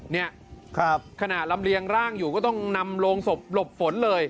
เนี่ยขณะลำเลียงร่างอยู่ก็ต้องนำโรงศพหลบฝนเลย